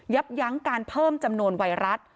ยับยั้งการเพิ่มจำนวนไวรัส